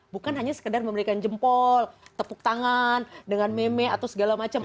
bukan hanya sekedar memberikan jempol tepuk tangan dengan meme atau segala macam